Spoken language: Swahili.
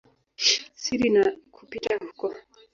siri na kupita huko.